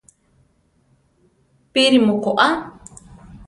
¿Píri mu koʼa?